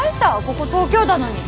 ここ東京だのに！